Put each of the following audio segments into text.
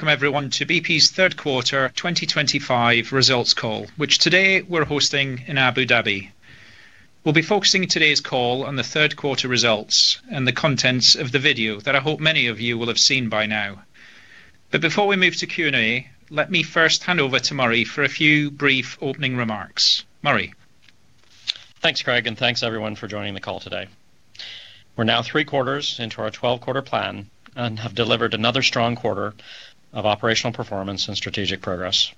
Welcome, everyone, to BP's Third Quarter 2025 Results Call, which today we're hosting in Abu Dhabi. We'll be focusing today's call on the third quarter results and the contents of the video that I hope many of you will have seen by now. Before we move to Q&A, let me first hand over to Murray for a few brief opening remarks. Murray. Thanks, Craig, and thanks, everyone, for joining the call today. We're now three quarters into our 12-quarter plan and have delivered another strong quarter of operational performance and strategic progress.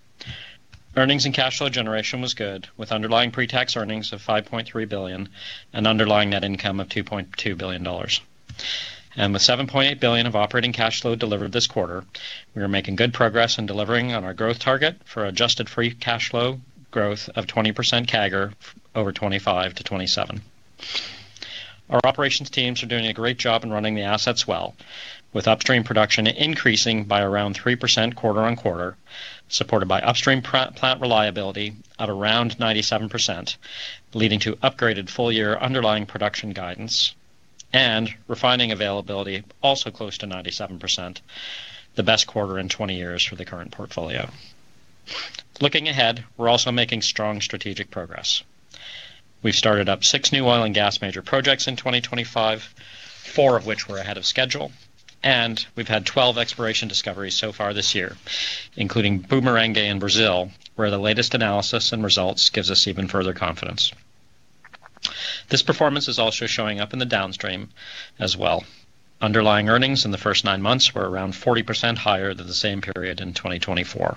Earnings and cash flow generation was good, with underlying pre-tax earnings of 5.3 billion and underlying net income of EUR 2.2 billion. With 7.8 billion of operating cash flow delivered this quarter, we are making good progress in delivering on our growth target for adjusted free cash flow growth of 20% CAGR over 2025 to 2027. Our operations teams are doing a great job in running the assets well, with upstream production increasing by around 3% quarter on quarter, supported by upstream plant reliability at around 97%, leading to upgraded full-year underlying production guidance and refining availability also close to 97%. The best quarter in 20 years for the current portfolio. Looking ahead, we're also making strong strategic progress. We've started up six new oil and gas major projects in 2025, four of which were ahead of schedule, and we've had 12 exploration discoveries so far this year, including Bumerangue in Brazil, where the latest analysis and results give us even further confidence. This performance is also showing up in the downstream as well. Underlying earnings in the first nine months were around 40% higher than the same period in 2024.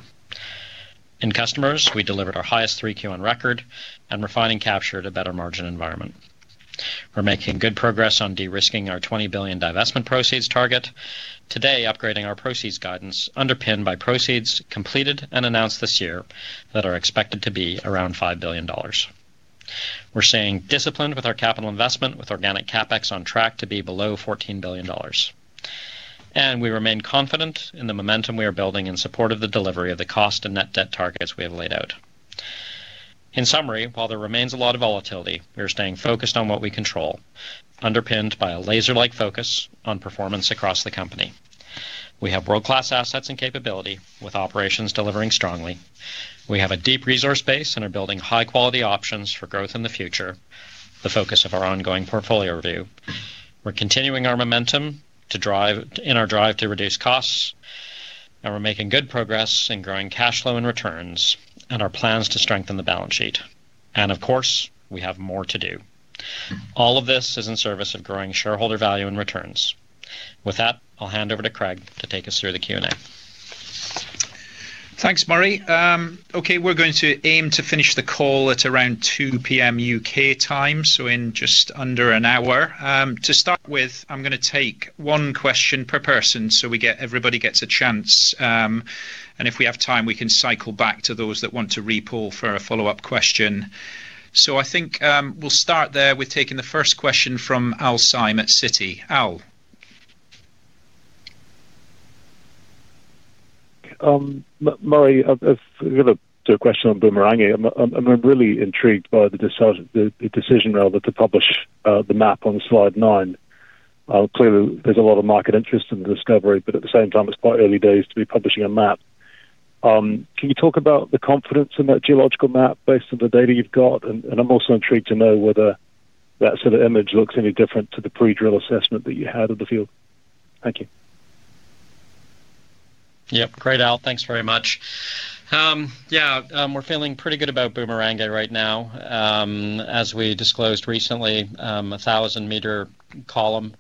In customers, we delivered our highest 3Q on record and refining captured a better margin environment. We're making good progress on de-risking our 20 billion divestment proceeds target, today upgrading our proceeds guidance underpinned by proceeds completed and announced this year that are expected to be around EUR 5 billion. We're staying disciplined with our capital investment, with organic CapEx on track to be below EUR 14 billion. We remain confident in the momentum we are building in support of the delivery of the cost and net debt targets we have laid out. In summary, while there remains a lot of volatility, we are staying focused on what we control, underpinned by a laser-like focus on performance across the company. We have world-class assets and capability, with operations delivering strongly. We have a deep resource base and are building high-quality options for growth in the future, the focus of our ongoing portfolio review. We're continuing our momentum in our drive to reduce costs. We're making good progress in growing cash flow and returns and our plans to strengthen the balance sheet. Of course, we have more to do. All of this is in service of growing shareholder value and returns. With that, I'll hand over to Craig to take us through the Q&A. Thanks, Murray. Okay, we're going to aim to finish the call at around 2:00 P.M. U.K. time, so in just under an hour. To start with, I'm going to take one question per person so everybody gets a chance. If we have time, we can cycle back to those that want to re-poll for a follow-up question. I think we'll start there with taking the first question from Al Syme at Citi. Al. Murray, I've got a question on Bumerangue. I'm really intrigued by the decision, rather, to publish the map on slide nine. Clearly, there's a lot of market interest in the discovery, but at the same time, it's quite early days to be publishing a map. Can you talk about the confidence in that geological map based on the data you've got? I'm also intrigued to know whether that sort of image looks any different to the pre-drill assessment that you had of the field. Thank you. Yep. Great, Al. Thanks very much. Yeah, we're feeling pretty good about Bumerangue right now. As we disclosed recently, a 1,000 m column,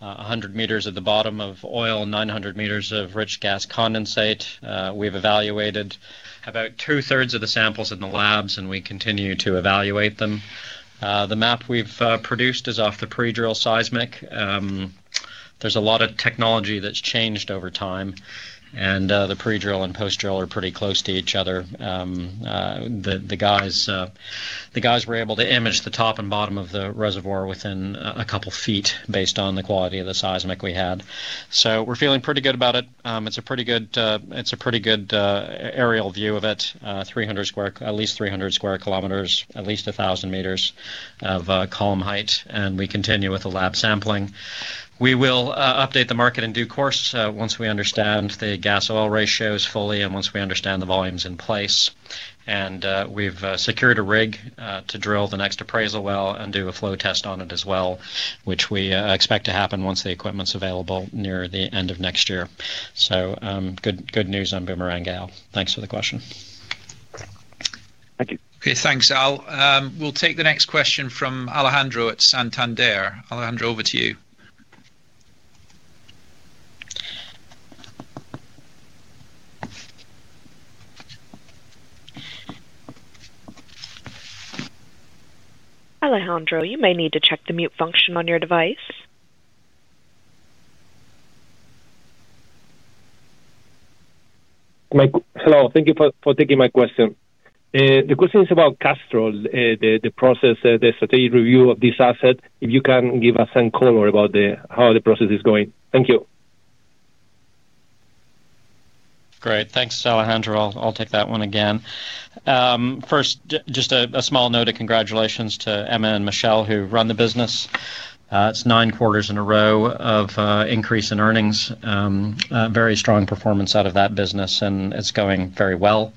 100 m at the bottom of oil, 900 m of rich gas condensate. We've evaluated about two-thirds of the samples in the labs, and we continue to evaluate them. The map we've produced is off the pre-drill seismic. There's a lot of technology that's changed over time, and the pre-drill and post-drill are pretty close to each other. The guys were able to image the top and bottom of the reservoir within a couple of feet based on the quality of the seismic we had. We're feeling pretty good about it. It's a pretty good aerial view of it, at least 300 sq km, at least 1,000 m of column height, and we continue with the lab sampling. We will update the market in due course once we understand the gas-oil ratios fully and once we understand the volumes in place. We've secured a rig to drill the next appraisal well and do a flow test on it as well, which we expect to happen once the equipment's available near the end of next year. Good news on Bumerangue. Thanks for the question. Thank you. Okay, thanks, Al. We'll take the next question from Alejandro at Santander. Alejandro, over to you. Alejandro, you may need to check the mute function on your device. Hello. Thank you for taking my question. The question is about Castrol, the process, the strategic review of this asset, if you can give us some color about how the process is going. Thank you. Great. Thanks, Alejandro. I'll take that one again. First, just a small note of congratulations to Emma and Michelle who run the business. It's nine quarters in a row of increase in earnings. Very strong performance out of that business, and it's going very well.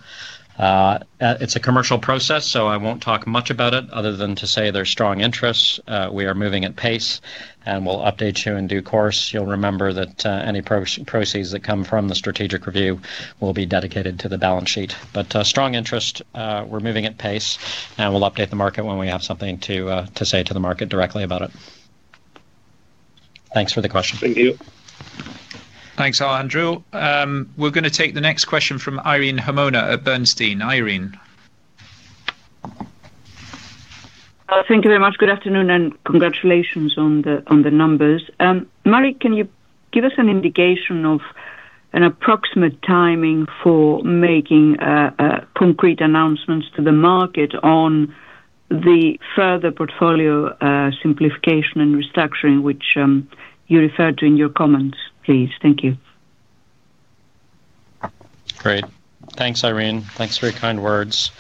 It's a commercial process, so I won't talk much about it other than to say there's strong interest. We are moving at pace, and we'll update you in due course. You'll remember that any proceeds that come from the strategic review will be dedicated to the balance sheet. Strong interest. We're moving at pace, and we'll update the market when we have something to say to the market directly about it. Thanks for the question. Thank you. Thanks, Alejandro. We're going to take the next question from Irene Himona at Bernstein. Irene. Thank you very much. Good afternoon and congratulations on the numbers. Murray, can you give us an indication of an approximate timing for making concrete announcements to the market on the further portfolio simplification and restructuring which you referred to in your comments, please? Thank you. Great. Thanks, Irene. Thanks for your kind words.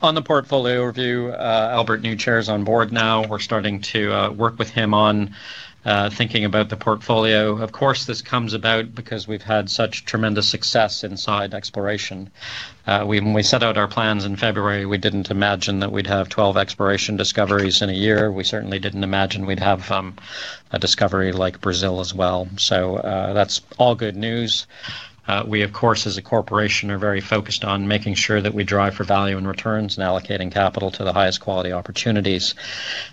On the portfolio review, Albert Manifold is on board now. We're starting to work with him on thinking about the portfolio. Of course, this comes about because we've had such tremendous success inside exploration. When we set out our plans in February, we didn't imagine that we'd have 12 exploration discoveries in a year. We certainly didn't imagine we'd have a discovery like Brazil as well. That's all good news. We, of course, as a corporation, are very focused on making sure that we drive for value and returns and allocating capital to the highest quality opportunities.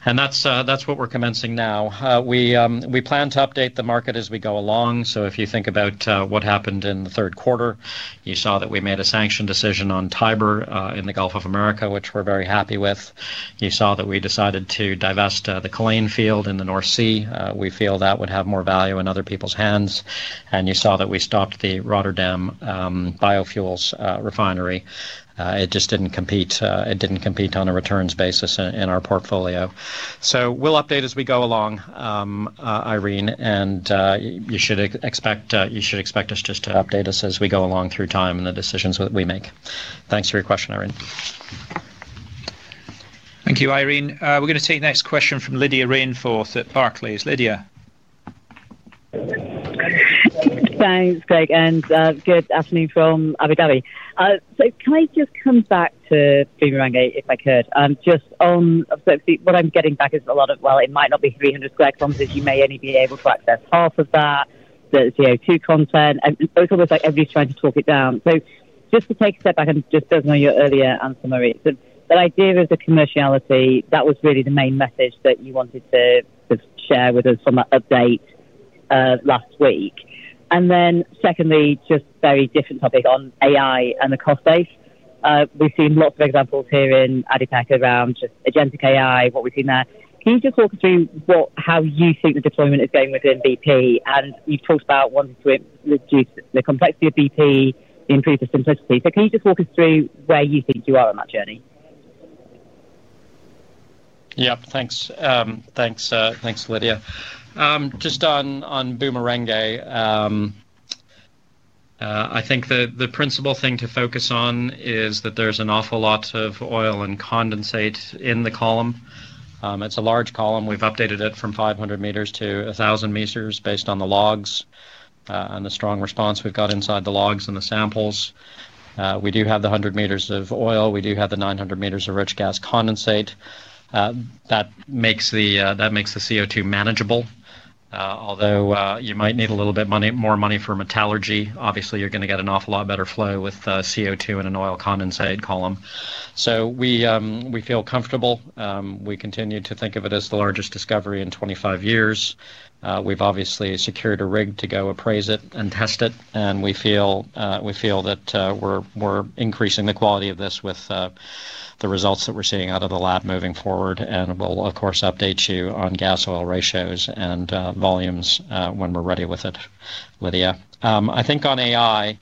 That's what we're commencing now. We plan to update the market as we go along. If you think about what happened in the third quarter, you saw that we made a sanction decision on Tiber in the Gulf of America, which we're very happy with. You saw that we decided to divest the Killeen field in the North Sea. We feel that would have more value in other people's hands. You saw that we stopped the Rotterdam Biofuels refinery. It just didn't compete. It didn't compete on a returns basis in our portfolio. We'll update as we go along. Irene, you should expect us just to update as we go along through time and the decisions that we make. Thanks for your question, Irene. Thank you, Irene. We're going to take the next question from Lydia Rainforth at Barclays. Lydia. Thanks, Craig, and good afternoon from Abu Dhabi. Can I just come back to Bumerangue if I could? Just on what I'm getting back is a lot of, well, it might not be 300 sq km. You may only be able to access half of that, the CO2 content. It's almost like everybody's trying to talk it down. Just to take a step back and just build on your earlier answer, Murray, the idea of the commerciality, that was really the main message that you wanted to share with us on that update last week. Secondly, just a very different topic on AI and the cost base. We've seen lots of examples here in ADIPEC around just agentic AI, what we've seen there. Can you just walk us through how you think the deployment is going within BP? You've talked about wanting to reduce the complexity of BP, improve the simplicity. Can you just walk us through where you think you are on that journey? Yep. Thanks. Thanks, Lydia. Just on Bumerangue. I think the principal thing to focus on is that there's an awful lot of oil and condensate in the column. It's a large column. We've updated it from 500 m-1,000 m based on the logs. And the strong response we've got inside the logs and the samples. We do have the 100 m of oil. We do have the 900 m of rich gas condensate. That makes the CO2 manageable. Although you might need a little bit more money for metallurgy. Obviously, you're going to get an awful lot better flow with CO2 and an oil condensate column. We feel comfortable. We continue to think of it as the largest discovery in 25 years. We've obviously secured a rig to go appraise it and test it. We feel that we're increasing the quality of this with the results that we're seeing out of the lab moving forward. We'll, of course, update you on gas oil ratios and volumes when we're ready with it, Lydia. I think on AI.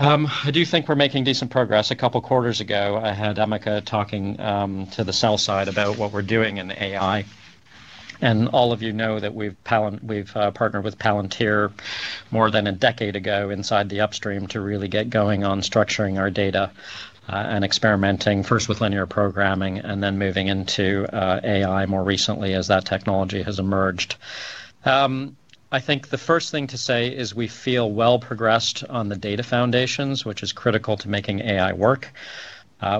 I do think we're making decent progress. A couple of quarters ago, I had Emma talking to the sell side about what we're doing in AI. All of you know that we've partnered with Palantir more than a decade ago inside the upstream to really get going on structuring our data and experimenting first with linear programming and then moving into AI more recently as that technology has emerged. I think the first thing to say is we feel well progressed on the data foundations, which is critical to making AI work.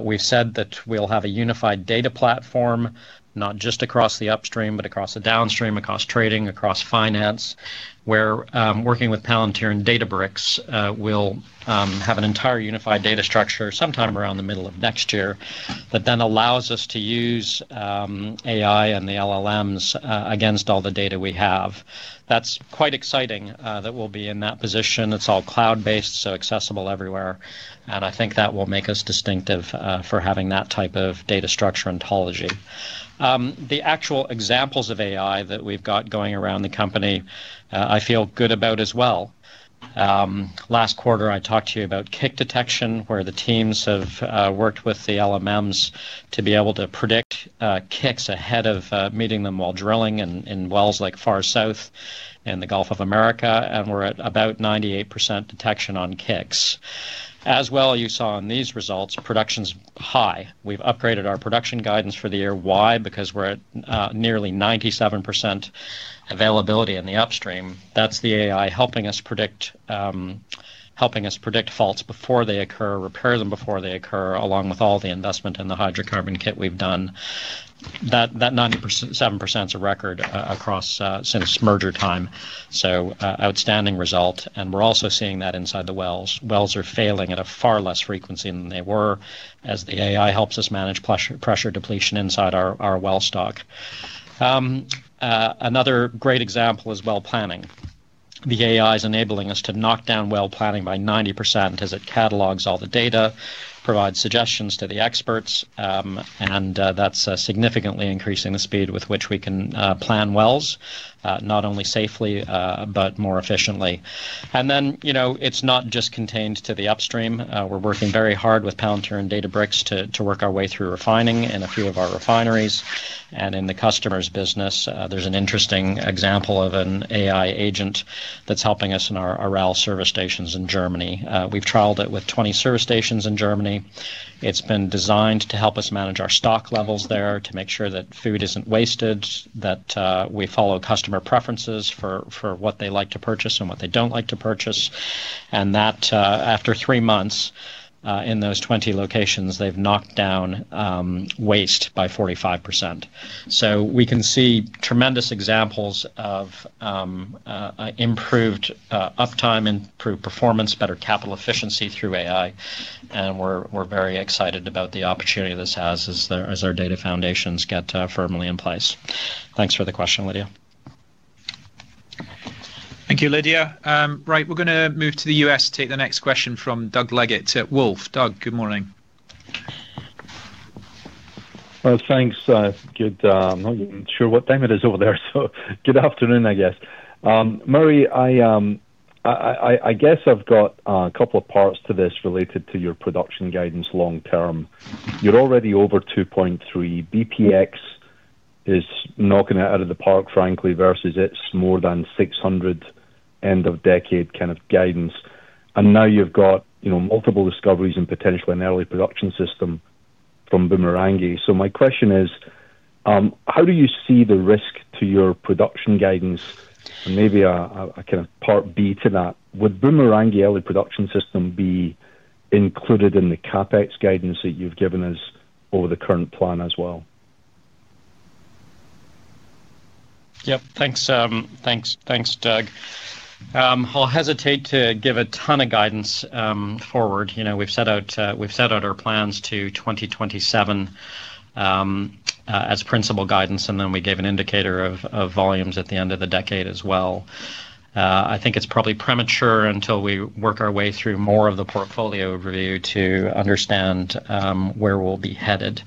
We've said that we'll have a unified data platform, not just across the upstream, but across the downstream, across trading, across finance, where working with Palantir and Databricks will have an entire unified data structure sometime around the middle of next year that then allows us to use AI and the LLMs against all the data we have. That's quite exciting that we'll be in that position. It's all cloud-based, so accessible everywhere. I think that will make us distinctive for having that type of data structure ontology. The actual examples of AI that we've got going around the company, I feel good about as well. Last quarter, I talked to you about kick detection, where the teams have worked with the LLMs to be able to predict kicks ahead of meeting them while drilling in wells like Far South and the Gulf of America. We're at about 98% detection on kicks. As well, you saw in these results, production's high. We've upgraded our production guidance for the year. Why? Because we're at nearly 97% availability in the upstream. That's the AI helping us predict faults before they occur, repair them before they occur, along with all the investment in the hydrocarbon kit we've done. That 97% is a record since merger time. Outstanding result. We're also seeing that inside the wells. Wells are failing at a far less frequency than they were as the AI helps us manage pressure depletion inside our well stock. Another great example is well planning. The AI is enabling us to knock down well planning by 90% as it catalogs all the data, provides suggestions to the experts. That is significantly increasing the speed with which we can plan wells, not only safely, but more efficiently. It is not just contained to the upstream. We are working very hard with Palantir and Databricks to work our way through refining in a few of our refineries. In the customer's business, there is an interesting example of an AI agent that is helping us in our Aral service stations in Germany. We have trialed it with 20 service stations in Germany. It has been designed to help us manage our stock levels there to make sure that food is not wasted, that we follow customer preferences for what they like to purchase and what they do not like to purchase. After three months in those 20 locations, they have knocked down waste by 45%. We can see tremendous examples of improved uptime, improved performance, better capital efficiency through AI. We are very excited about the opportunity this has as our data foundations get firmly in place. Thanks for the question, Lydia. Thank you, Lydia. Right, we're going to move to the US to take the next question from Doug Leggate at Wolfe. Doug, good morning. Thanks. Good. I'm not even sure what time it is over there. So good afternoon, I guess. Murray, I guess I've got a couple of parts to this related to your production guidance long term. You're already over 2.3. BPX is knocking it out of the park, frankly, versus its more than 600 end-of-decade kind of guidance. And now you've got multiple discoveries and potentially an early production system from Bumerangue. My question is, how do you see the risk to your production guidance? Maybe a kind of part B to that. Would Bumerangue early production system be included in the CapEx guidance that you've given us over the current plan as well? Yep. Thanks. Thanks, Doug. I'll hesitate to give a ton of guidance forward. We've set out our plans to 2027 as principal guidance, and then we gave an indicator of volumes at the end of the decade as well. I think it's probably premature until we work our way through more of the portfolio review to understand where we'll be headed.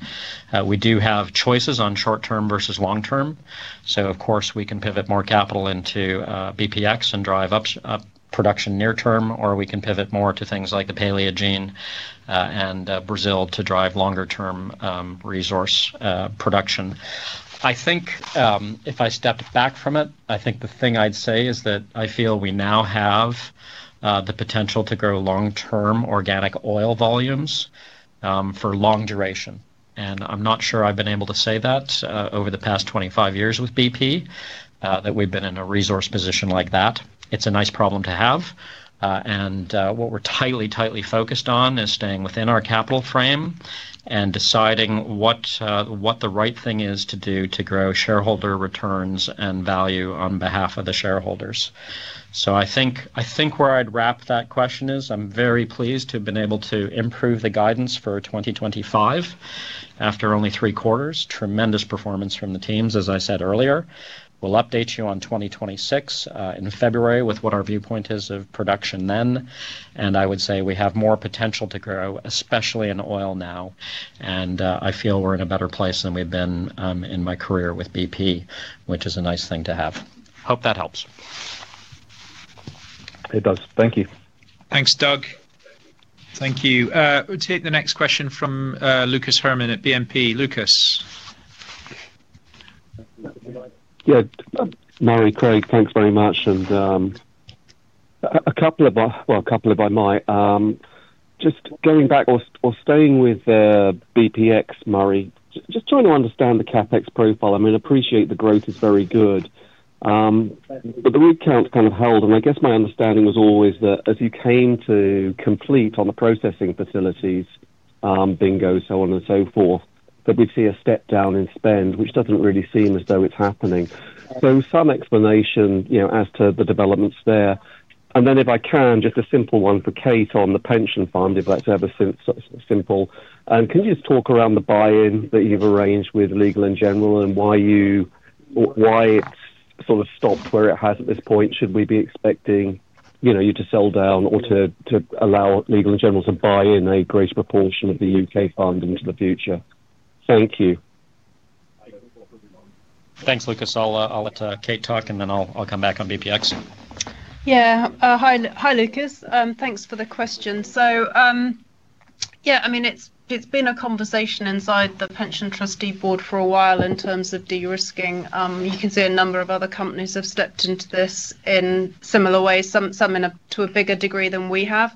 We do have choices on short-term versus long-term. Of course, we can pivot more capital into BPX and drive up production near-term, or we can pivot more to things like the Paleogene and Brazil to drive longer-term resource production. I think if I stepped back from it, I think the thing I'd say is that I feel we now have the potential to grow long-term organic oil volumes for long duration. I'm not sure I've been able to say that over the past 25 years with BP that we've been in a resource position like that. It's a nice problem to have. What we're tightly, tightly focused on is staying within our capital frame and deciding what the right thing is to do to grow shareholder returns and value on behalf of the shareholders. I think where I'd wrap that question is I'm very pleased to have been able to improve the guidance for 2025 after only three quarters, tremendous performance from the teams, as I said earlier. We'll update you on 2026 in February with what our viewpoint is of production then. I would say we have more potential to grow, especially in oil now. I feel we're in a better place than we've been in my career with BP, which is a nice thing to have. Hope that helps. It does. Thank you. Thanks, Doug. Thank you. We'll take the next question from Lucas Herrmann at BNP Paribas. Lucas. Yeah. Murray, Craig, thanks very much. A couple of—I might. Just going back or staying with BPX, Murray, just trying to understand the CapEx profile. I mean, I appreciate the growth is very good. The recount kind of held. I guess my understanding was always that as you came to complete on the processing facilities, bingo, so on and so forth, that we'd see a step down in spend, which does not really seem as though it's happening. Some explanation as to the developments there. If I can, just a simple one for Kate on the pension fund, if that's ever since simple. Can you just talk around the buy-in that you've arranged with Legal & General and why it's sort of stopped where it has at this point? Should we be expecting you to sell down or to allow Legal & General to buy in a greater proportion of the U.K. fund into the future? Thank you. Thanks, Lucas. I'll let Kate talk, and then I'll come back on BPX. Yeah. Hi, Lucas. Thanks for the question. Yeah, I mean, it's been a conversation inside the Pension Trustee Board for a while in terms of de-risking. You can see a number of other companies have stepped into this in similar ways, some to a bigger degree than we have.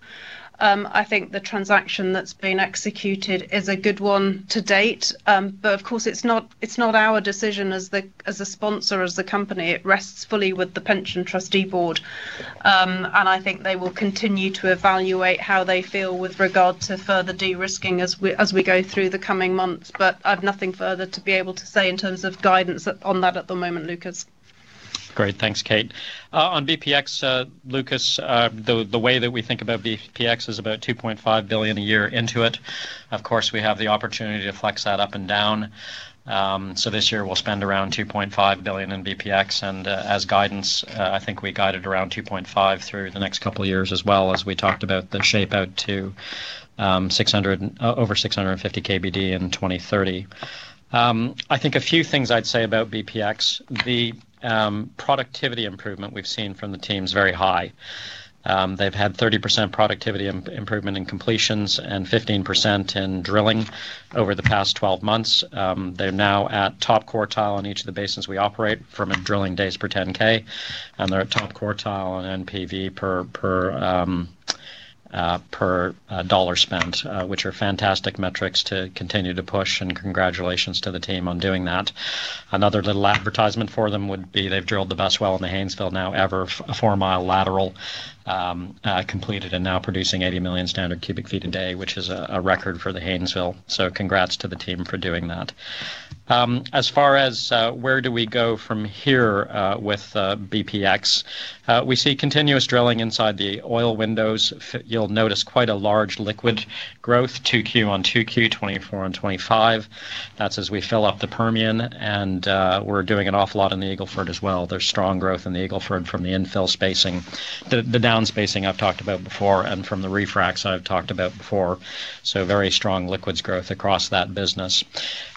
I think the transaction that's been executed is a good one to date. Of course, it's not our decision as a sponsor, as a company. It rests fully with the Pension Trustee Board. I think they will continue to evaluate how they feel with regard to further de-risking as we go through the coming months. I have nothing further to be able to say in terms of guidance on that at the moment, Lucas. Great. Thanks, Kate. On BPX, Lucas, the way that we think about BPX is about 2.5 billion a year into it. Of course, we have the opportunity to flex that up and down. This year, we'll spend around 2.5 billion in BPX. As guidance, I think we guided around 2.5 billion through the next couple of years as well, as we talked about the shape out to over 650 KBD in 2030. I think a few things I'd say about BPX. The productivity improvement we've seen from the team is very high. They've had 30% productivity improvement in completions and 15% in drilling over the past 12 months. They're now at top quartile on each of the basins we operate from a drilling days per 10,000. They're at top quartile on NPV per dollar spent, which are fantastic metrics to continue to push. Congratulations to the team on doing that. Another little advertisement for them would be they've drilled the best well in the Haynesville now ever, a four-mile lateral, completed and now producing 80 million standard cu ft a day, which is a record for the Haynesville. Congrats to the team for doing that. As far as where do we go from here with BPX, we see continuous drilling inside the oil windows. You'll notice quite a large liquid growth, 2Q on 2Q, 2024 on 2025. That is as we fill up the Permian. We're doing an awful lot in the Eagle Ford as well. There is strong growth in the Eagle Ford from the infill spacing, the down spacing I've talked about before, and from the refracts I've talked about before. Very strong liquids growth across that business.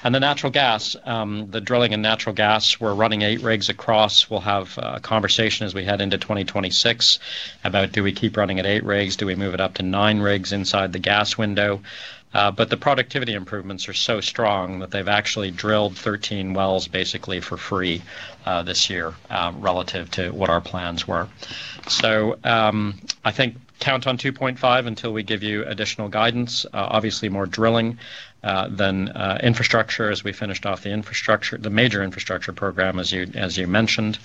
The natural gas, the drilling and natural gas, we're running eight rigs across. We'll have a conversation as we head into 2026 about do we keep running at eight rigs, do we move it up to nine rigs inside the gas window. The productivity improvements are so strong that they've actually drilled 13 wells basically for free this year relative to what our plans were. I think count on 2.5 billion until we give you additional guidance. Obviously, more drilling than infrastructure as we finished off the infrastructure, the major infrastructure program, as you mentioned.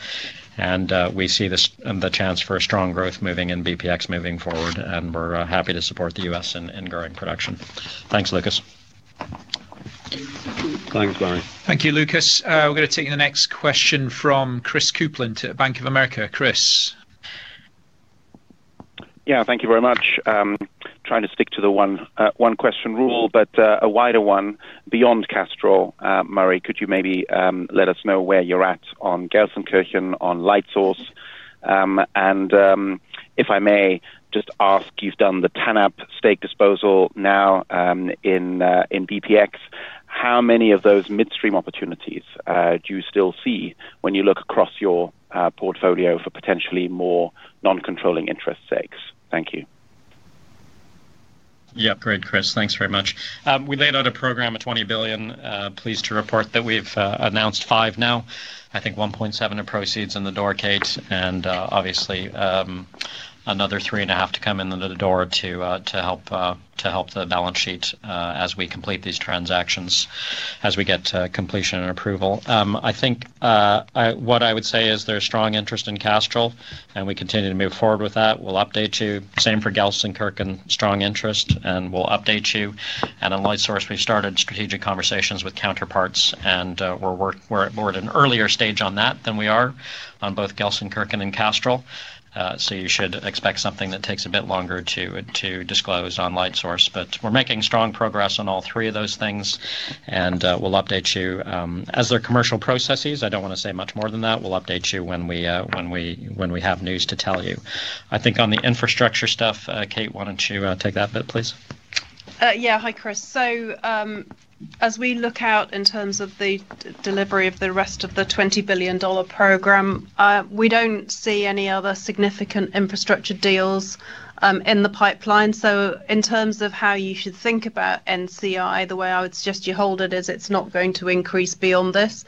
We see the chance for strong growth moving in BPX moving forward. We're happy to support the U.S. in growing production. Thanks, Lucas. Thanks, Murray. Thank you, Lucas. We're going to take the next question from Chris Copeland at Bank of America. Chris. Yeah, thank you very much. Trying to stick to the one question rule, but a wider one beyond Castrol. Murray, could you maybe let us know where you're at on Gelsenkirchen, on Light Source? If I may just ask, you've done the TANAP stake disposal now in BPX. How many of those midstream opportunities do you still see when you look across your portfolio for potentially more non-controlling interest stakes? Thank you. Yep. Great, Chris. Thanks very much. We laid out a program of 20 billion. Pleased to report that we have announced five now. I think 1.7 billion of proceeds in the door, Kate, and obviously another 3.5 billion to come in the door to help the balance sheet as we complete these transactions, as we get to completion and approval. I think what I would say is there is strong interest in Castrol, and we continue to move forward with that. We will update you. Same for Gelsenkirchen, strong interest, and we will update you. On Light Source, we started strategic conversations with counterparts, and we are at an earlier stage on that than we are on both Gelsenkirchen and Castrol. You should expect something that takes a bit longer to disclose on Light Source. We are making strong progress on all three of those things, and we will update you as their commercial processes. I do not want to say much more than that. We will update you when we have news to tell you. I think on the infrastructure stuff, Kate, why do you not take that bit, please? Yeah. Hi, Chris. As we look out in terms of the delivery of the rest of the EUR 20 billion program, we do not see any other significant infrastructure deals in the pipeline. In terms of how you should think about NCI, the way I would suggest you hold it is it is not going to increase beyond this.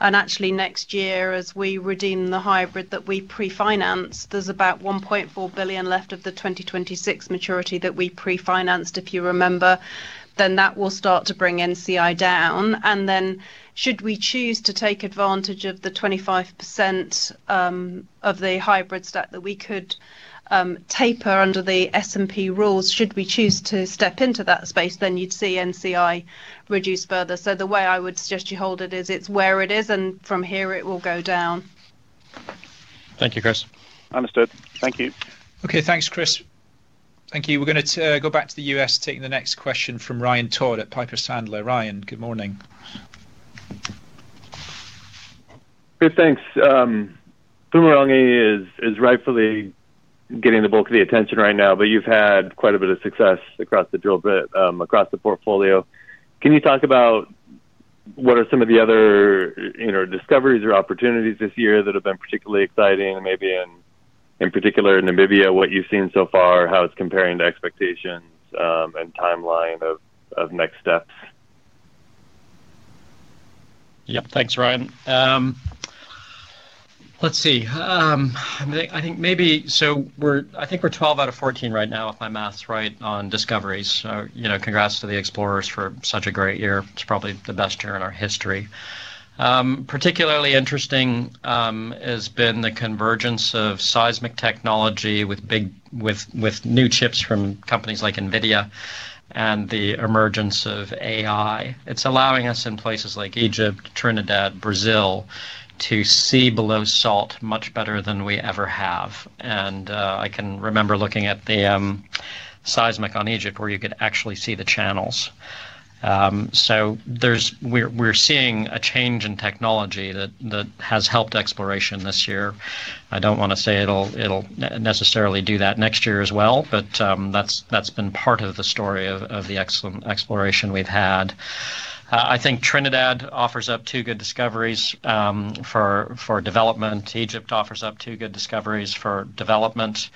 Actually, next year, as we redeem the hybrid that we pre-finance, there is about 1.4 billion left of the 2026 maturity that we pre-financed, if you remember. That will start to bring NCI down. Should we choose to take advantage of the 25% of the hybrids that we could taper under the S&P rules, should we choose to step into that space, you would see NCI reduce further. The way I would suggest you hold it is it is where it is, and from here, it will go down. Thank you, Chris. Understood. Thank you. Okay. Thanks, Chris. Thank you. We're going to go back to the US, taking the next question from Ryan Todd at Piper Sandler. Ryan, good morning. Good. Thanks. Bumerangue is rightfully getting the bulk of the attention right now, but you've had quite a bit of success across the portfolio. Can you talk about what are some of the other discoveries or opportunities this year that have been particularly exciting, maybe in particular in Namibia, what you've seen so far, how it's comparing to expectations, and timeline of next steps? Yep. Thanks, Ryan. Let's see. I think maybe, so I think we're 12 out of 14 right now, if my math's right, on discoveries. Congrats to the explorers for such a great year. It's probably the best year in our history. Particularly interesting has been the convergence of seismic technology with new chips from companies like NVIDIA and the emergence of AI. It's allowing us in places like Egypt, Trinidad, Brazil to see below salt much better than we ever have. I can remember looking at the seismic on Egypt where you could actually see the channels. We're seeing a change in technology that has helped exploration this year. I don't want to say it'll necessarily do that next year as well, but that's been part of the story of the excellent exploration we've had. I think Trinidad offers up two good discoveries for development. Egypt offers up two good discoveries for development.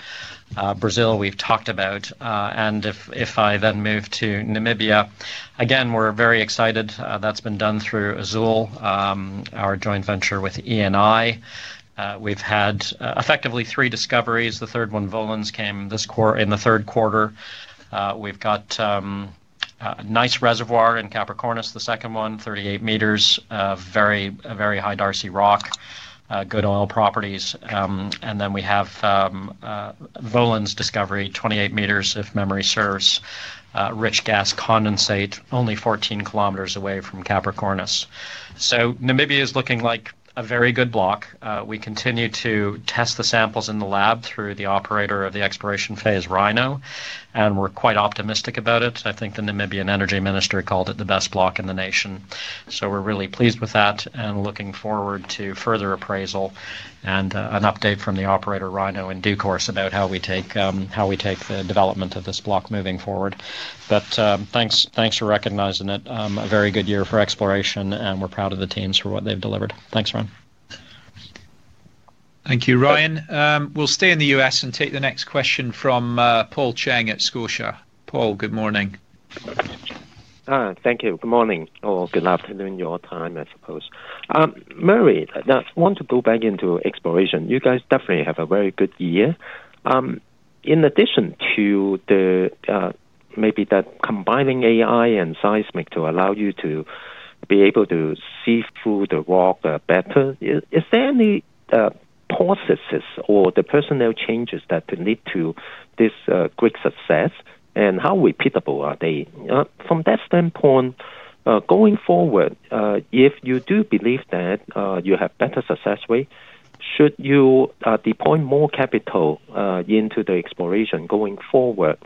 Brazil, we've talked about. If I then move to Namibia, again, we're very excited. That's been done through Azule, our joint venture with Eni. We've had effectively three discoveries. The third one, Volenergy, came in the third quarter. We've got a nice reservoir in Capricornus, the second one, 38 m, very high Darcy rock, good oil properties. Then we have the Volenergy discovery, 28 m, if memory serves, rich gas condensate, only 14 km away from Capricornus. Namibia is looking like a very good block. We continue to test the samples in the lab through the operator of the exploration phase, Rhino. We're quite optimistic about it. I think the Namibian Energy Minister called it the best block in the nation. We're really pleased with that and looking forward to further appraisal and an update from the operator, Rhino, in due course about how we take the development of this block moving forward. Thanks for recognizing it. A very good year for exploration, and we're proud of the teams for what they've delivered. Thanks, Ryan. Thank you, Ryan. We'll stay in the US and take the next question from Paul Cheng at Scotiabank. Paul, good morning. Thank you. Good morning or good afternoon, your time, I suppose. Murray, I want to go back into exploration. You guys definitely have a very good year. In addition to maybe that combining AI and seismic to allow you to be able to see through the rock better, is there any processes or the personnel changes that lead to this great success? And how repeatable are they? From that standpoint, going forward, if you do believe that you have better success rate, should you deposit more capital into the exploration going forward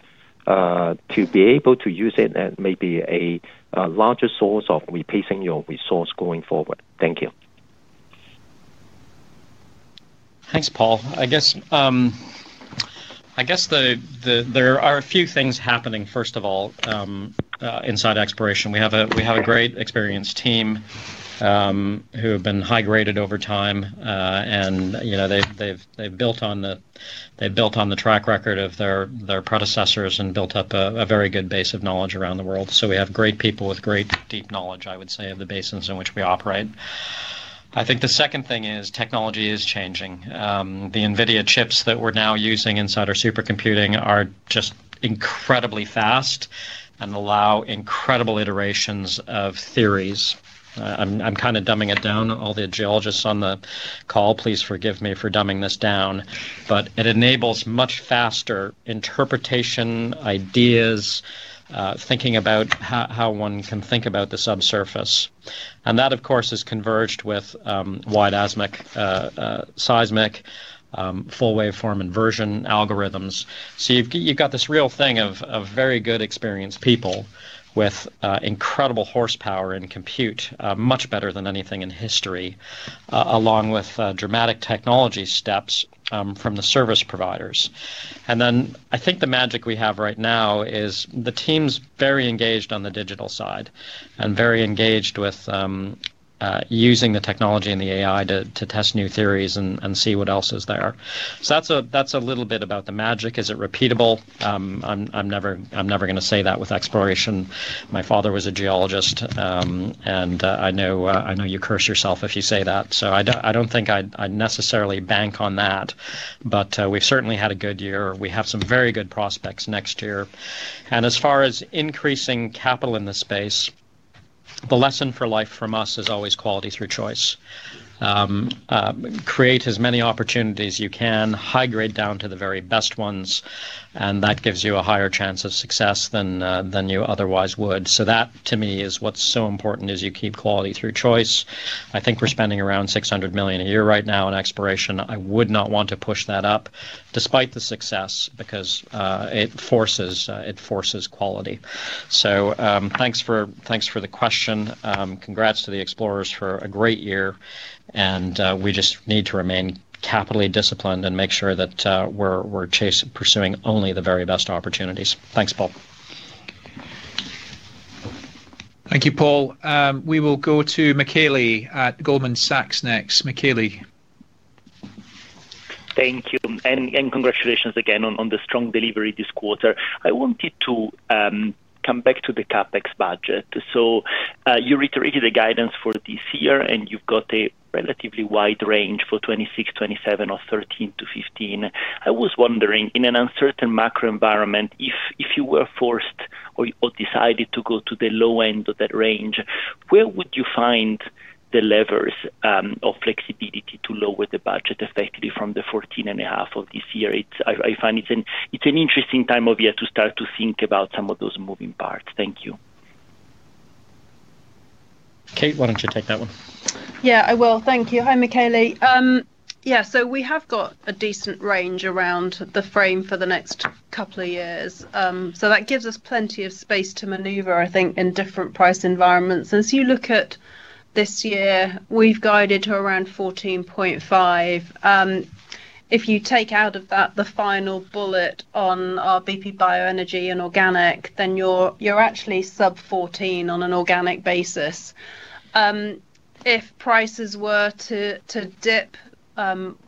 to be able to use it at maybe a larger source of replacing your resource going forward? Thank you. Thanks, Paul. I guess there are a few things happening. First of all, inside exploration, we have a great experienced team who have been high-graded over time. They've built on the track record of their predecessors and built up a very good base of knowledge around the world. We have great people with great deep knowledge, I would say, of the basins in which we operate. I think the second thing is technology is changing. The NVIDIA chips that we're now using inside our supercomputing are just incredibly fast and allow incredible iterations of theories. I'm kind of dumbing it down. All the geologists on the call, please forgive me for dumbing this down. It enables much faster interpretation, ideas, thinking about how one can think about the subsurface. That, of course, is converged with wide seismic, full waveform inversion algorithms. You have this real thing of very good experienced people with incredible horsepower in compute, much better than anything in history, along with dramatic technology steps from the service providers. I think the magic we have right now is the team's very engaged on the digital side and very engaged with using the technology and the AI to test new theories and see what else is there. That's a little bit about the magic. Is it repeatable? I'm never going to say that with exploration. My father was a geologist, and I know you curse yourself if you say that. I don't think I necessarily bank on that. We've certainly had a good year. We have some very good prospects next year. As far as increasing capital in the space, the lesson for life from us is always quality through choice. Create as many opportunities as you can, high-grade down to the very best ones. That gives you a higher chance of success than you otherwise would. To me, what's so important is you keep quality through choice. I think we're spending around 600 million a year right now on exploration. I would not want to push that up, despite the success, because it forces quality. Thanks for the question. Congrats to the explorers for a great year. We just need to remain capitally disciplined and make sure that we're pursuing only the very best opportunities. Thanks, Paul. Thank you, Paul. We will go to Makely at Goldman Sachs next. Makely. Thank you. Congratulations again on the strong delivery this quarter. I wanted to come back to the CapEx budget. You reiterated the guidance for this year, and you've got a relatively wide range for 2026, 2027, or 13 billion-15 billion. I was wondering, in an uncertain macro environment, if you were forced or decided to go to the low end of that range, where would you find the levers of flexibility to lower the budget effectively from the 14.5 billion of this year? I find it's an interesting time of year to start to think about some of those moving parts. Thank you. Kate, why don't you take that one? Yeah, I will. Thank you. Hi, Makely. Yeah, so we have got a decent range around the frame for the next couple of years. That gives us plenty of space to maneuver, I think, in different price environments. As you look at this year, we've guided to around 14.5. If you take out of that the final bullet on our BP Bioenergy and organic, then you're actually sub-EUR 14 on an organic basis. If prices were to dip,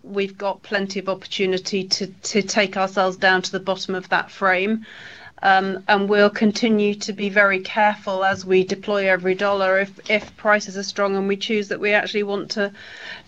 we've got plenty of opportunity to take ourselves down to the bottom of that frame. We'll continue to be very careful as we deploy every dollar. If prices are strong and we choose that, we actually want to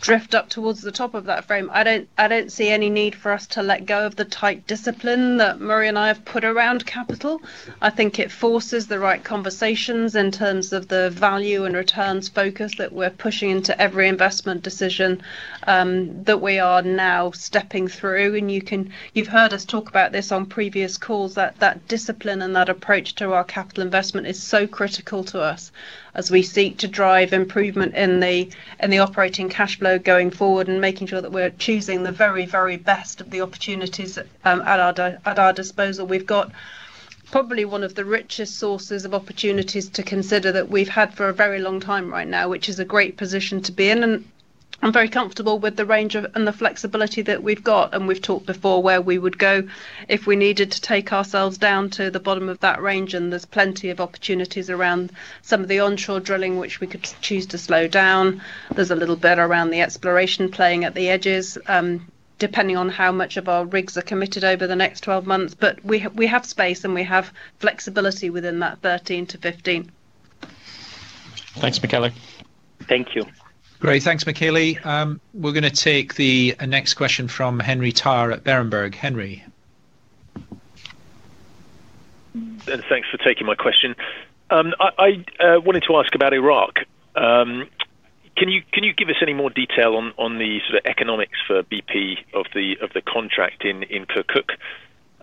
drift up towards the top of that frame. I don't see any need for us to let go of the tight discipline that Murray and I have put around capital. I think it forces the right conversations in terms of the value and returns focus that we're pushing into every investment decision that we are now stepping through. You've heard us talk about this on previous calls, that discipline and that approach to our capital investment is so critical to us as we seek to drive improvement in the operating cash flow going forward and making sure that we're choosing the very, very best of the opportunities at our disposal. We've got probably one of the richest sources of opportunities to consider that we've had for a very long time right now, which is a great position to be in. I'm very comfortable with the range and the flexibility that we've got. We've talked before where we would go if we needed to take ourselves down to the bottom of that range. There's plenty of opportunities around some of the onshore drilling, which we could choose to slow down. There's a little bit around the exploration playing at the edges, depending on how much of our rigs are committed over the next 12 months. We have space and we have flexibility within that 13-15. Thanks, Makely. Thank you. Great. Thanks, Makely. We're going to take the next question from Henry Tarr at Berenberg. Henry. Thanks for taking my question. I wanted to ask about Iraq. Can you give us any more detail on the sort of economics for BP of the contract in Kirkuk?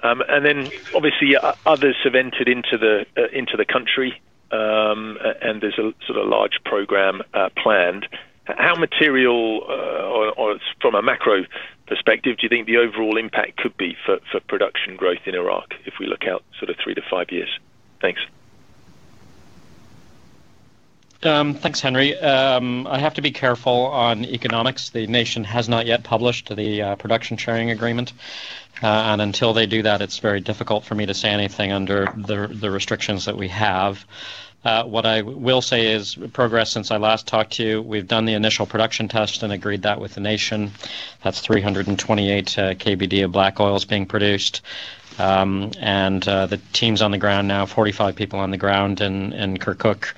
Obviously, others have entered into the country, and there is a sort of large program planned. How material, or from a macro perspective, do you think the overall impact could be for production growth in Iraq if we look out three to five years? Thanks. Thanks, Henry. I have to be careful on economics. The nation has not yet published the production sharing agreement. Until they do that, it's very difficult for me to say anything under the restrictions that we have. What I will say is progress since I last talked to you. We've done the initial production test and agreed that with the nation. That's 328 KBD of black oil being produced. The team's on the ground now, 45 people on the ground in Kirkuk,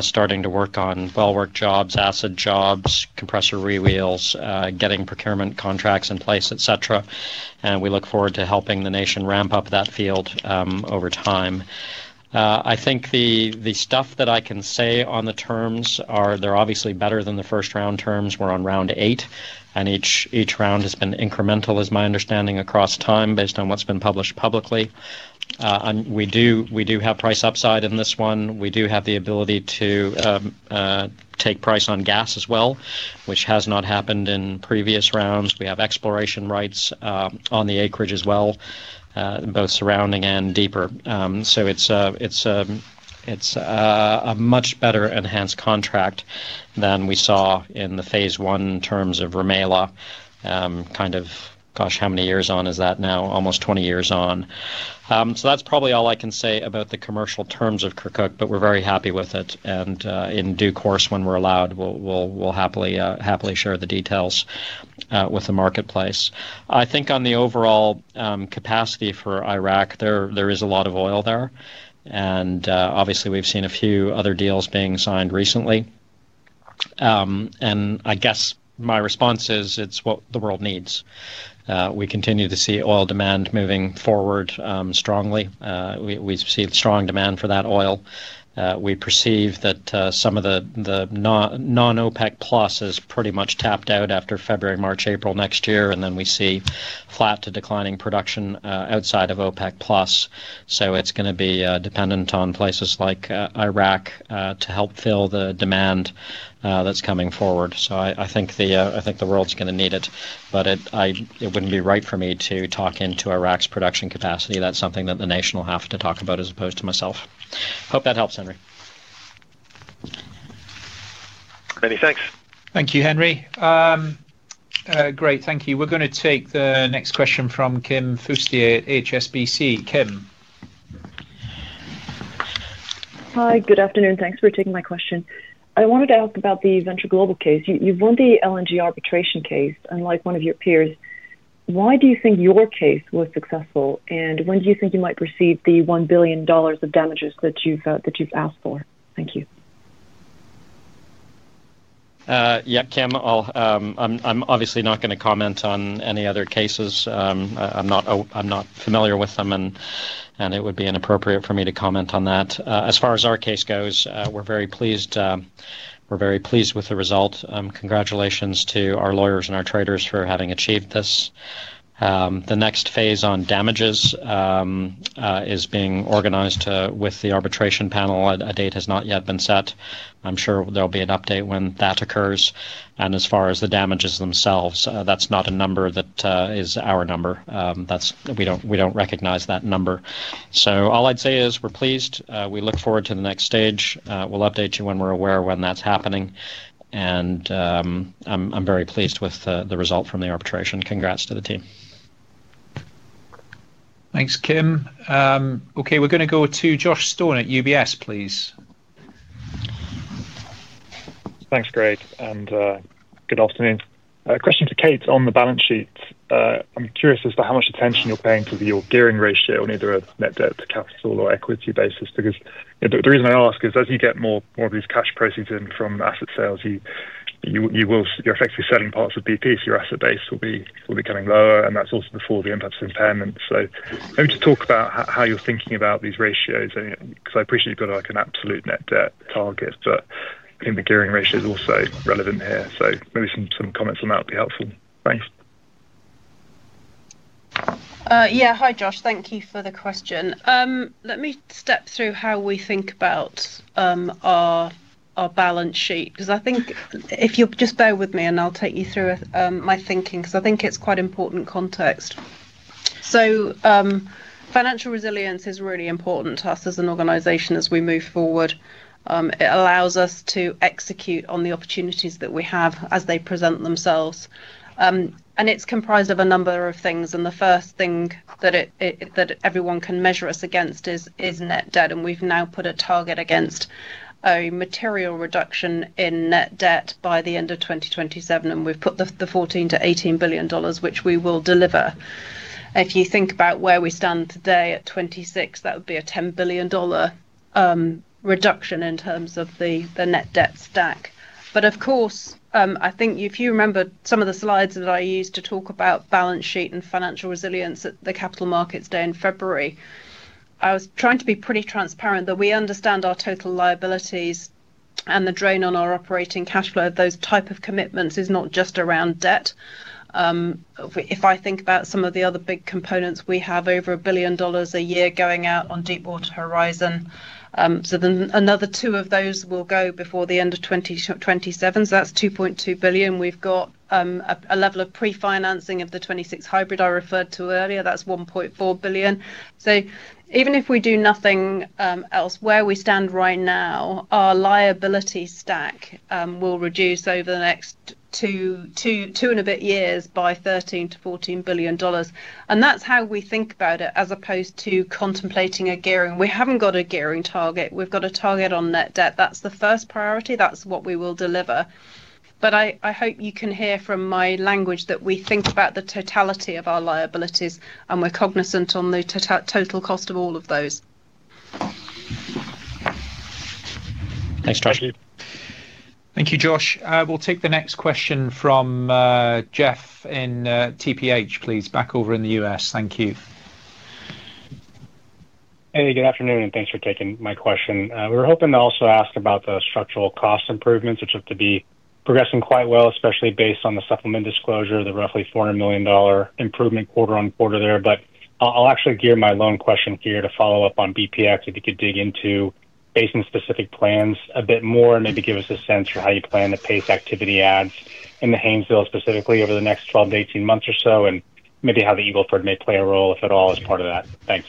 starting to work on well-work jobs, acid jobs, compressor rewheels, getting procurement contracts in place, etc. We look forward to helping the nation ramp up that field over time. I think the stuff that I can say on the terms are they're obviously better than the first round terms. We're on round eight. Each round has been incremental, is my understanding, across time based on what's been published publicly. We do have price upside in this one. We do have the ability to take price on gas as well, which has not happened in previous rounds. We have exploration rights on the acreage as well, both surrounding and deeper. It's a much better enhanced contract than we saw in the phase I in terms of Rumaila. Kind of, gosh, how many years on is that now? Almost 20 years on. That's probably all I can say about the commercial terms of Kirkuk, but we're very happy with it. In due course, when we're allowed, we'll happily share the details with the marketplace. I think on the overall capacity for Iraq, there is a lot of oil there. Obviously, we've seen a few other deals being signed recently. I guess my response is it's what the world needs. We continue to see oil demand moving forward strongly. We see strong demand for that oil. We perceive that some of the non-OPEC Plus is pretty much tapped out after February, March, April next year. We see flat to declining production outside of OPEC Plus. It's going to be dependent on places like Iraq to help fill the demand that's coming forward. I think the world's going to need it. It wouldn't be right for me to talk into Iraq's production capacity. That's something that the nation will have to talk about as opposed to myself. Hope that helps, Henry. Many thanks. Thank you, Henry. Great. Thank you. We're going to take the next question from Kim Fustier at HSBC. Kim. Hi, good afternoon. Thanks for taking my question. I wanted to ask about the Venture Global case. You've won the LNG arbitration case, unlike one of your peers. Why do you think your case was successful? When do you think you might receive the EUR 1 billion of damages that you've asked for? Thank you. Yeah, Kim, I'm obviously not going to comment on any other cases. I'm not familiar with them, and it would be inappropriate for me to comment on that. As far as our case goes, we're very pleased. We're very pleased with the result. Congratulations to our lawyers and our traders for having achieved this. The next phase on damages is being organized with the arbitration panel. A date has not yet been set. I'm sure there'll be an update when that occurs. As far as the damages themselves, that's not a number that is our number. We don't recognize that number. All I'd say is we're pleased. We look forward to the next stage. We'll update you when we're aware when that's happening. I'm very pleased with the result from the arbitration. Congrats to the team. Thanks, Kim. Okay, we're going to go to Josh Stone at UBS, please. Thanks, Greg. Good afternoon. Question to Kate on the balance sheet. I'm curious as to how much attention you're paying to your gearing ratio on either a net debt to capital or equity basis. The reason I ask is as you get more of these cash proceeds in from asset sales, you're effectively selling parts of BP, so your asset base will be coming lower. That's also before the impact of impairment. Maybe just talk about how you're thinking about these ratios. I appreciate you've got an absolute net debt target, but I think the gearing ratio is also relevant here. Maybe some comments on that would be helpful. Thanks. Yeah, hi, Josh. Thank you for the question. Let me step through how we think about our balance sheet. Because I think if you'll just bear with me, and I'll take you through my thinking, because I think it's quite important context. Financial resilience is really important to us as an organization as we move forward. It allows us to execute on the opportunities that we have as they present themselves. It's comprised of a number of things. The first thing that everyone can measure us against is net debt. We've now put a target against a material reduction in net debt by the end of 2027. We've put the EUR 14 billion-EUR 18 billion, which we will deliver. If you think about where we stand today at 26 billion, that would be a EUR 10 billion reduction in terms of the net debt stack. Of course, I think if you remember some of the slides that I used to talk about balance sheet and financial resilience at the capital markets day in February, I was trying to be pretty transparent that we understand our total liabilities and the drain on our operating cash flow. Those type of commitments are not just around debt. If I think about some of the other big components, we have over EUR 1 billion a year going out on Deepwater Horizon. Another two of those will go before the end of 2027. That's 2.2 billion. We've got a level of pre-financing of the 2026 hybrid I referred to earlier. That's 1.4 billion. Even if we do nothing else, where we stand right now, our liability stack will reduce over the next two and a bit years by EUR 13 billion-EUR 14 billion. That's how we think about it as opposed to contemplating a gearing. We haven't got a gearing target. We've got a target on net debt. That's the first priority. That's what we will deliver. I hope you can hear from my language that we think about the totality of our liabilities, and we're cognizant of the total cost of all of those. Thanks, Josh. Thank you, Josh. We'll take the next question from Jeff at TPH, please. Back over in the U.S. Thank you. Hey, good afternoon. Thanks for taking my question. We were hoping to also ask about the structural cost improvements, which have to be progressing quite well, especially based on the supplement disclosure, the roughly EUR 400 million improvement quarter on quarter there. I'll actually gear my lone question here to follow up on BPX, if you could dig into basin-specific plans a bit more and maybe give us a sense for how you plan to pace activity adds in the Haynesville specifically over the next 12-18 months or so, and maybe how the Eagle Ford may play a role, if at all, as part of that. Thanks.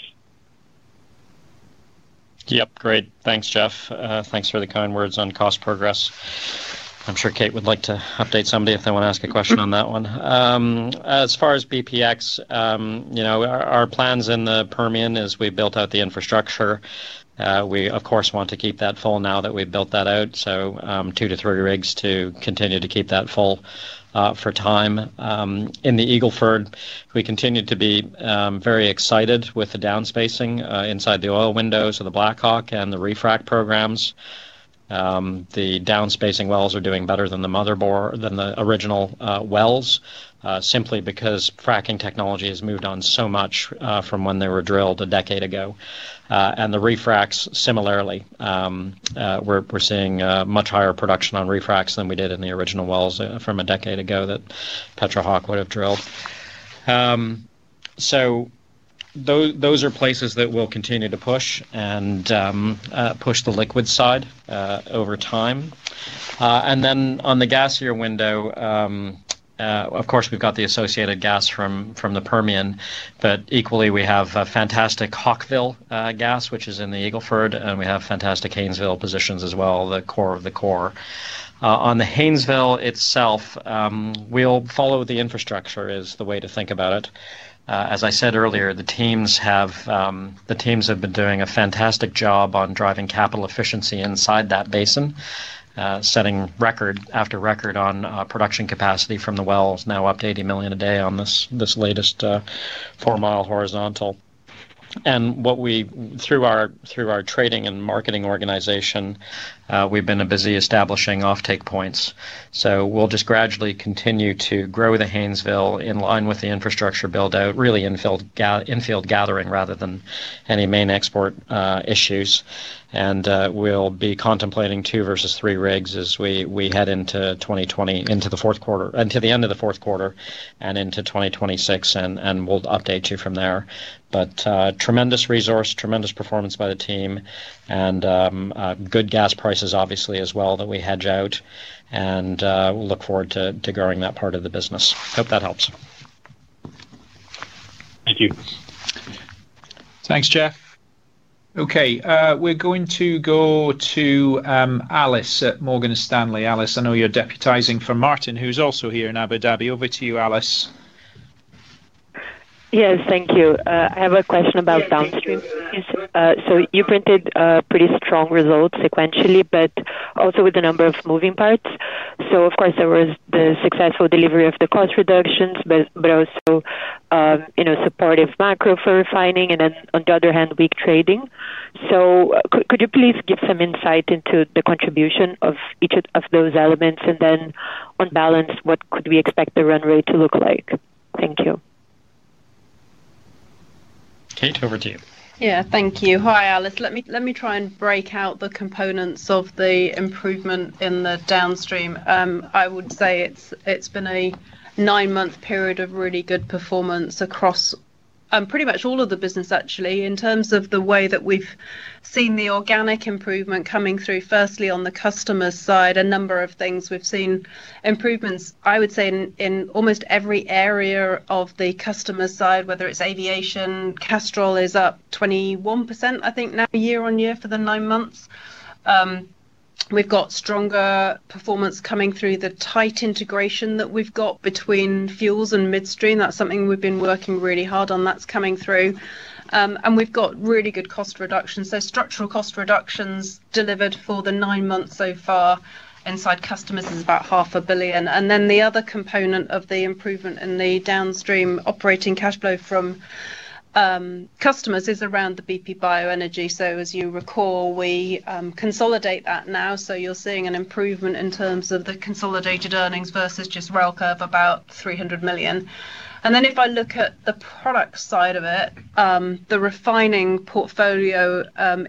Yep, great. Thanks, Jeff. Thanks for the kind words on cost progress. I'm sure Kate would like to update somebody if they want to ask a question on that one. As far as BPX, our plans in the Permian, as we built out the infrastructure. We, of course, want to keep that full now that we've built that out. So two to three rigs to continue to keep that full. For time. In the Eagle Ford, we continue to be very excited with the downspacing inside the oil windows of the Blackhawk and the refrac programs. The downspacing wells are doing better than the original wells, simply because fracking technology has moved on so much from when they were drilled a decade ago. And the refrac, similarly, we're seeing much higher production on refrac than we did in the original wells from a decade ago that PetroHawk would have drilled. Those are places that we'll continue to push and push the liquid side over time. On the gas year window, of course, we've got the associated gas from the Permian. But equally, we have fantastic Hawkville gas, which is in the Eagle Ford. And we have fantastic Haynesville positions as well, the core of the core. On the Haynesville itself, we'll follow the infrastructure is the way to think about it. As I said earlier, the teams have been doing a fantastic job on driving capital efficiency inside that basin, setting record after record on production capacity from the wells, now up to 80 million a day on this latest four-mile horizontal. Through our trading and marketing organization, we've been busy establishing offtake points. We'll just gradually continue to grow the Haynesville in line with the infrastructure buildout, really in field gathering rather than any main export issues. We'll be contemplating two versus three rigs as we head into 2020, into the fourth quarter, into the end of the fourth quarter, and into 2026. We'll update you from there. Tremendous resource, tremendous performance by the team, and good gas prices, obviously, as well that we hedge out. We'll look forward to growing that part of the business. Hope that helps. Thank you. Thanks, Jeff. Okay, we're going to go to Alice at Morgan Stanley. Alice, I know you're deputizing for Martin, who's also here in Abu Dhabi. Over to you, Alice. Yes, thank you. I have a question about downstream. You printed pretty strong results sequentially, but also with a number of moving parts. Of course, there was the successful delivery of the cost reductions, but also supportive macro for refining, and then on the other hand, weak trading. Could you please give some insight into the contribution of each of those elements? On balance, what could we expect the runway to look like? Thank you. Kate, over to you. Yeah, thank you. Hi, Alice. Let me try and break out the components of the improvement in the downstream. I would say it's been a nine-month period of really good performance across pretty much all of the business, actually, in terms of the way that we've seen the organic improvement coming through. Firstly, on the customer side, a number of things. We've seen improvements, I would say, in almost every area of the customer side, whether it's aviation. Castrol is up 21%, I think, now year on year for the nine months. We've got stronger performance coming through the tight integration that we've got between fuels and midstream. That's something we've been working really hard on that's coming through. We've got really good cost reductions. Structural cost reductions delivered for the nine months so far inside customers is about 500,000,000. The other component of the improvement in the downstream operating cash flow from customers is around the BP Bioenergy. As you recall, we consolidate that now. You're seeing an improvement in terms of the consolidated earnings versus just rail curve, about 300,000,000. If I look at the product side of it, the refining portfolio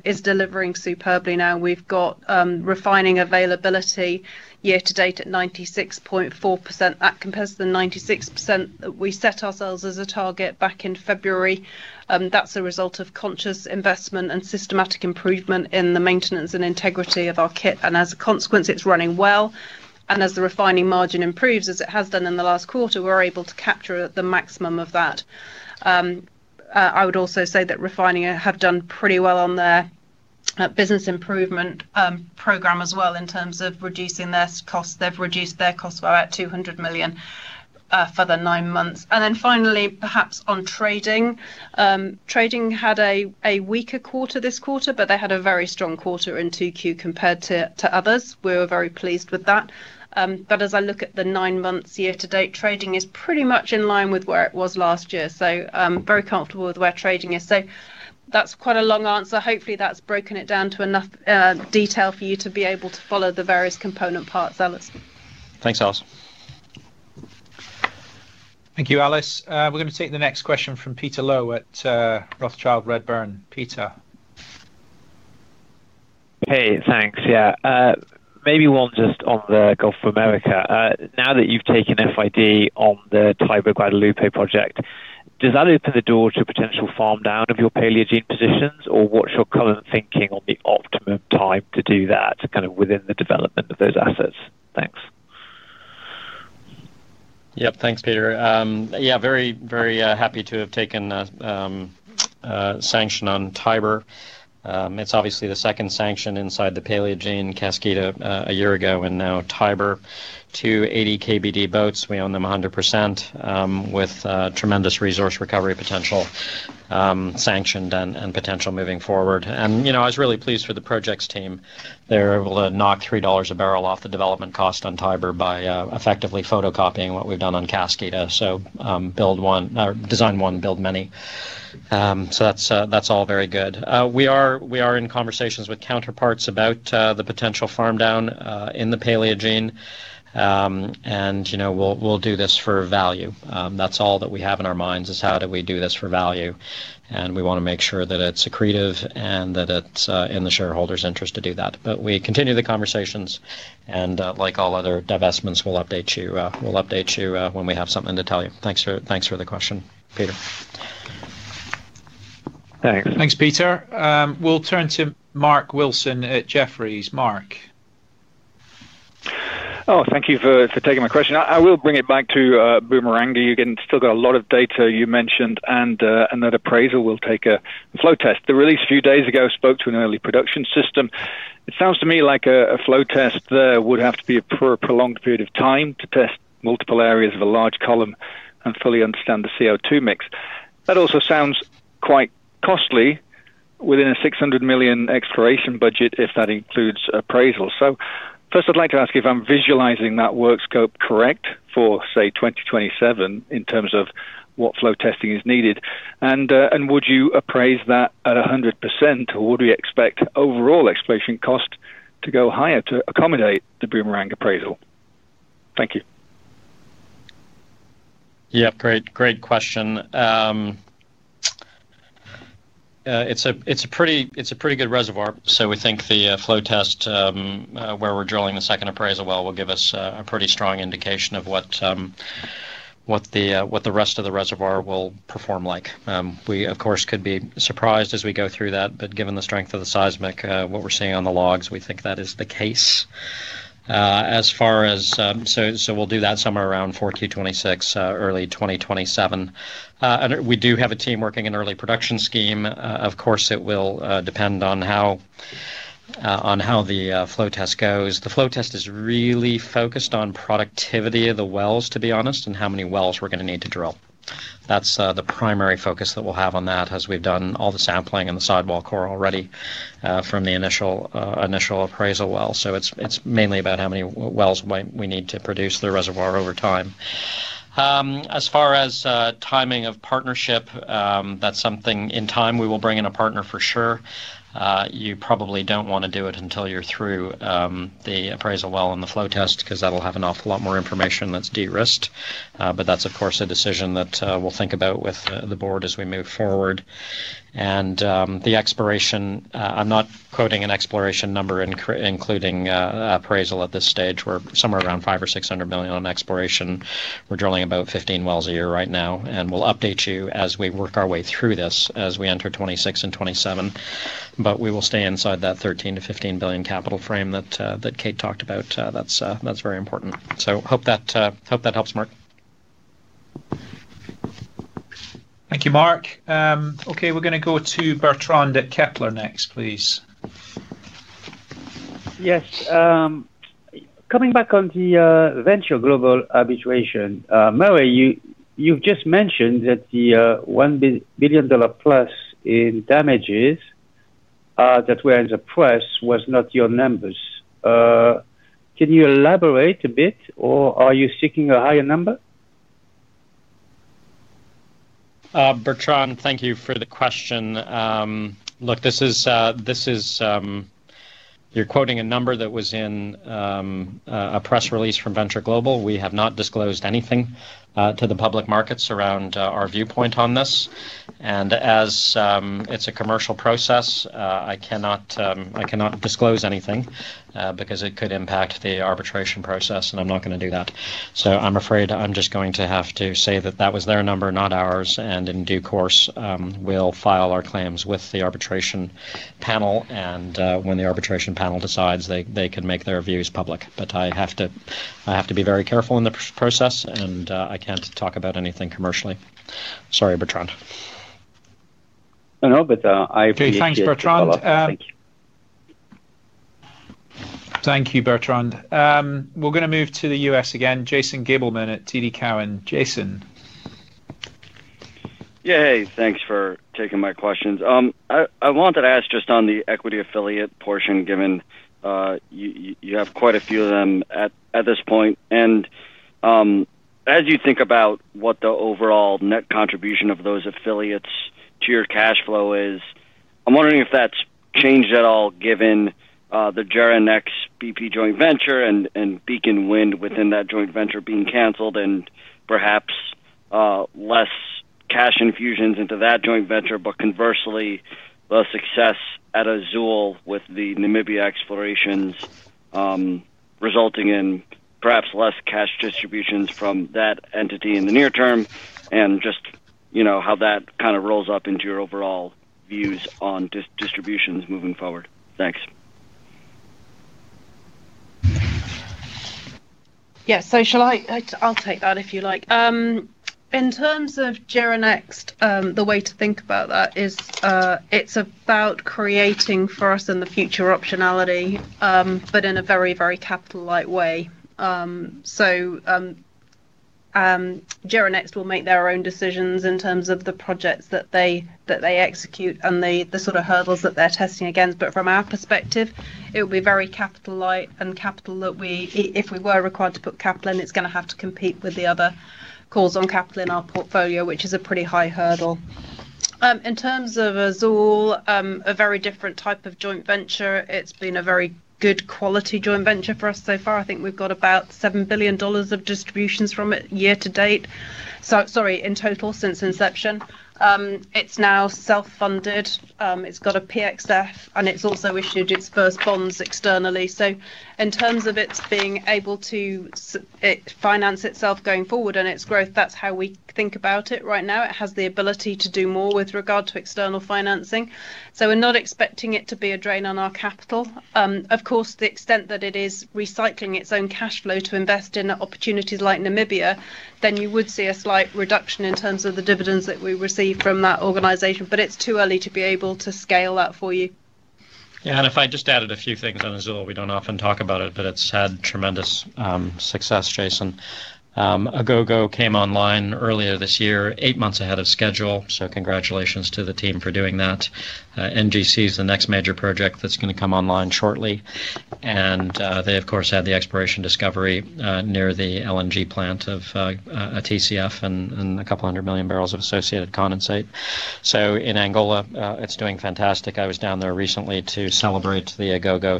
is delivering superbly now. We've got refining availability year to date at 96.4%. That compares to the 96% that we set ourselves as a target back in February. That's a result of conscious investment and systematic improvement in the maintenance and integrity of our kit. As a consequence, it's running well. As the refining margin improves, as it has done in the last quarter, we're able to capture the maximum of that. I would also say that refining have done pretty well on their business improvement program as well in terms of reducing their costs. They've reduced their costs by about 200,000,000 for the nine months. Finally, perhaps on trading. Trading had a weaker quarter this quarter, but they had a very strong quarter in 2Q compared to others. We were very pleased with that. As I look at the nine months year to date, trading is pretty much in line with where it was last year. Very comfortable with where trading is. That's quite a long answer. Hopefully, that's broken it down to enough detail for you to be able to follow the various component parts, Alice. Thanks, Alice. Thank you, Alice. We're going to take the next question from Peter Low at Rothschild Redburn. Peter. Hey, thanks. Yeah. Maybe one just on the Gulf of America. Now that you've taken FID on the Tiber-Guadalupe project, does that open the door to potential farm down of your Paleogene positions, or what's your current thinking on the optimum time to do that kind of within the development of those assets? Thanks. Yep, thanks, Peter. Yeah, very, very happy to have taken a sanction on Tiber. It's obviously the second sanction inside the Paleogene, Cascade a year ago, and now Tiber to 80 KBD boats. We own them 100%, with tremendous resource recovery potential. Sanctioned and potential moving forward. I was really pleased for the project's team. They were able to knock EUR 3 a barrel off the development cost on Tiber by effectively photocopying what we've done on Cascade. Design one, build many. That's all very good. We are in conversations with counterparts about the potential farm down in the Paleogene. We'll do this for value. That's all that we have in our minds is how do we do this for value. We want to make sure that it's accretive and that it's in the shareholders' interest to do that. We continue the conversations. Like all other divestments, we'll update you when we have something to tell you. Thanks for the question, Peter. Thanks. Thanks, Peter. We'll turn to Mark Wilson at Jefferies. Mark. Oh, thank you for taking my question. I will bring it back to Bumerangue. You still got a lot of data you mentioned, and that appraisal will take a flow test. The release a few days ago spoke to an early production system. It sounds to me like a flow test there would have to be a prolonged period of time to test multiple areas of a large column and fully understand the CO2 mix. That also sounds quite costly within a 600 million exploration budget if that includes appraisal. First, I'd like to ask if I'm visualizing that work scope correct for, say, 2027 in terms of what flow testing is needed. Would you appraise that at 100%, or would we expect overall exploration cost to go higher to accommodate the Bumerangue appraisal? Thank you. Yep, great question. It's a pretty good reservoir. We think the flow test where we're drilling the second appraisal well will give us a pretty strong indication of what the rest of the reservoir will perform like. We, of course, could be surprised as we go through that, but given the strength of the seismic, what we're seeing on the logs, we think that is the case. As far as, we'll do that somewhere around Q4 2026, early 2027. We do have a team working an early production scheme. Of course, it will depend on how the flow test goes. The flow test is really focused on productivity of the wells, to be honest, and how many wells we're going to need to drill. That's the primary focus that we'll have on that, as we've done all the sampling and the sidewall core already from the initial appraisal well. It's mainly about how many wells we need to produce the reservoir over time. As far as timing of partnership, that's something in time we will bring in a partner for sure. You probably don't want to do it until you're through the appraisal well and the flow test because that'll have an awful lot more information that's de-risked. That is, of course, a decision that we'll think about with the board as we move forward. The exploration, I'm not quoting an exploration number including appraisal at this stage. We're somewhere around 500 million or 600 million on exploration. We're drilling about 15 wells a year right now. We'll update you as we work our way through this as we enter 2026 and 2027. We will stay inside that 13 billion-15 billion capital frame that Kate talked about. That's very important. Hope that helps, Mark. Thank you, Mark. Okay, we're going to go to Bertrand from Kepler next, please. Yes. Coming back on the Venture Global arbitration, Murray, you've just mentioned that the EUR 1 billion+ in damages that were in the press was not your numbers. Can you elaborate a bit, or are you seeking a higher number? Bertrand, thank you for the question. Look, this is. You're quoting a number that was in a press release from Venture Global. We have not disclosed anything to the public markets around our viewpoint on this. As it's a commercial process, I cannot disclose anything because it could impact the arbitration process, and I'm not going to do that. I'm afraid I'm just going to have to say that that was their number, not ours. In due course, we'll file our claims with the arbitration panel. When the arbitration panel decides, they can make their views public. I have to be very careful in the process, and I can't talk about anything commercially. Sorry, Bertrand. No, no, but I appreciate your thought. Okay, thanks, Bertrand. Thank you, Bertrand. We're going to move to the US again. Jason Gabelman at TD Cowen. Jason. Yeah, hey, thanks for taking my questions. I wanted to ask just on the equity affiliate portion, given you have quite a few of them at this point. As you think about what the overall net contribution of those affiliates to your cash flow is, I'm wondering if that's changed at all, given the JERA Nex BP joint venture and Beacon Wind within that joint venture being canceled and perhaps less cash infusions into that joint venture. Conversely, the success at Azule with the Namibia explorations resulting in perhaps less cash distributions from that entity in the near term. Just how that kind of rolls up into your overall views on distributions moving forward. Thanks. Yeah, shall I? I'll take that if you like. In terms of JERA Nex, the way to think about that is it's about creating for us in the future optionality, but in a very, very capital-light way. JERA Nex will make their own decisions in terms of the projects that they execute and the sort of hurdles that they're testing against. From our perspective, it will be very capital-light and capital that we, if we were required to put capital in, it's going to have to compete with the other calls on capital in our portfolio, which is a pretty high hurdle. In terms of Azule, a very different type of joint venture. It's been a very good quality joint venture for us so far. I think we've got about EUR 7 billion of distributions from it year to date. Sorry, in total since inception. It's now self-funded. It's got a PXF, and it's also issued its first bonds externally. In terms of it being able to finance itself going forward and its growth, that's how we think about it right now. It has the ability to do more with regard to external financing. We're not expecting it to be a drain on our capital. Of course, to the extent that it is recycling its own cash flow to invest in opportunities like Namibia, then you would see a slight reduction in terms of the dividends that we receive from that organization. It's too early to be able to scale that for you. Yeah, and if I just added a few things on Azule, we do not often talk about it, but it has had tremendous success, Jason. Agogo came online earlier this year, eight months ahead of schedule. Congratulations to the team for doing that. NGC is the next major project that is going to come online shortly. They, of course, had the exploration discovery near the LNG plant of a TCF and a couple hundred million barrels of associated condensate. In Angola, it is doing fantastic. I was down there recently to celebrate the Agogo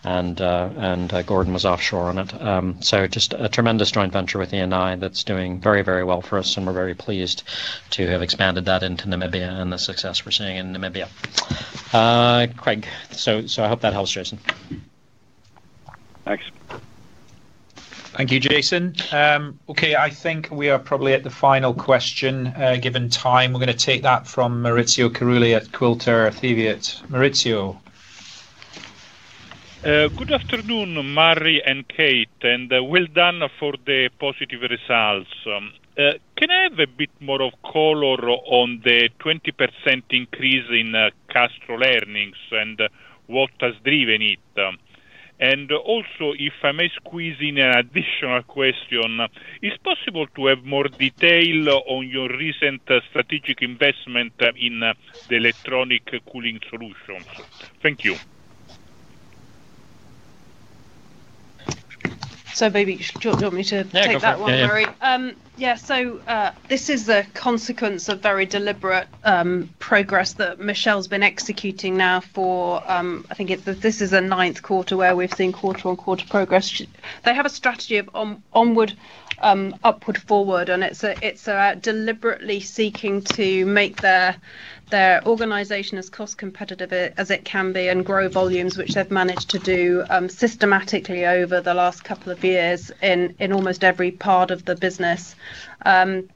startup. Gordon was offshore on it. Just a tremendous joint venture with Eni that is doing very, very well for us, and we are very pleased to have expanded that into Namibia and the success we are seeing in Namibia. Craig, I hope that helps, Jason. Thanks. Thank you, Jason. Okay, I think we are probably at the final question. Given time, we're going to take that from Maurizio Carulli at Quilter Cheviot. Maurizio. Good afternoon, Murray and Kate, and well done for the positive results. Can I have a bit more of color on the 20% increase in Castrol earnings and what has driven it? Also, if I may squeeze in an additional question, is it possible to have more detail on your recent strategic investment in the electronic cooling solutions? Thank you. Maybe you want me to take that one, Maurizio? Yeah, sure. Yeah, so this is a consequence of very deliberate progress that Michelle's been executing now for, I think this is the ninth quarter where we've seen quarter-on-quarter progress. They have a strategy of onward, upward, forward, and it's deliberately seeking to make their organization as cost-competitive as it can be and grow volumes, which they've managed to do systematically over the last couple of years in almost every part of the business. The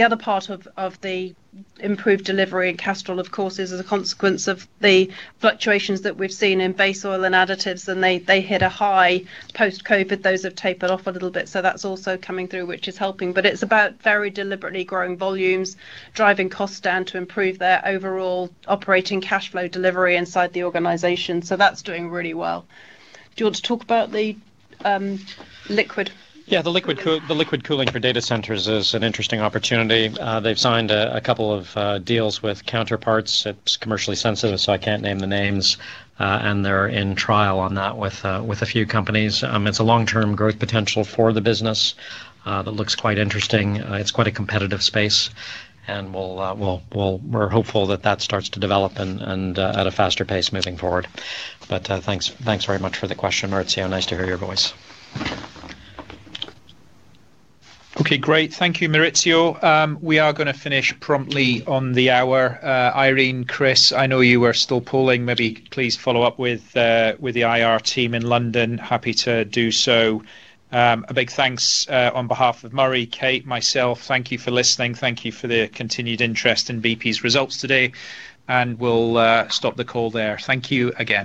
other part of the improved delivery in Castrol, of course, is a consequence of the fluctuations that we've seen in base oil and additives, and they hit a high post-COVID. Those have tapered off a little bit, so that's also coming through, which is helping. It's about very deliberately growing volumes, driving costs down to improve their overall operating cash flow delivery inside the organization. That's doing really well. Do you want to talk about the liquid? Yeah, the liquid cooling for data centers is an interesting opportunity. They've signed a couple of deals with counterparts. It's commercially sensitive, so I can't name the names. They're in trial on that with a few companies. It's a long-term growth potential for the business. That looks quite interesting. It's quite a competitive space. We're hopeful that that starts to develop at a faster pace moving forward. Thanks very much for the question, Maurizio. Nice to hear your voice. Okay, great. Thank you, Maurizio. We are going to finish promptly on the hour. Irene, Chris, I know you are still pulling. Maybe please follow up with the IR team in London. Happy to do so. A big thanks on behalf of Murray, Kate, myself. Thank you for listening. Thank you for the continued interest in BP's results today. We will stop the call there. Thank you again.